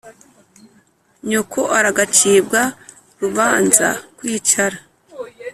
nyoko aragacibwa « rubanza-kwicara »